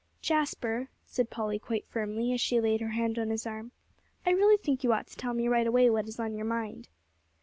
"Jasper," said Polly quite firmly, and she laid her hand on his arm, "I really think you ought to tell me right away what is on your mind."